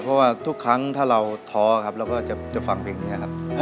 เพราะว่าทุกครั้งถ้าเราท้อครับเราก็จะฟังเพลงนี้ครับ